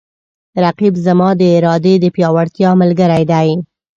رقیب زما د ارادې د پیاوړتیا ملګری دی